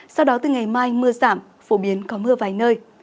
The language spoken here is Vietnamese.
sau đó từ ngày mai mưa giảm phổ biến có mưa vài nơi